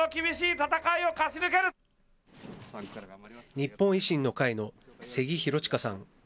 日本維新の会の瀬木寛親さん。